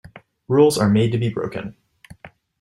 Rules are made to be broken.